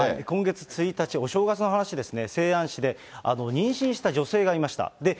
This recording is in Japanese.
今月１日、お正月の話ですね、西安市で妊娠した女性がいました。